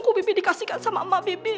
kubibik dikasihkan sama emak bibik